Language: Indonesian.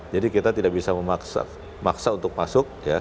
jadi kita tidak bisa memaksa untuk masuk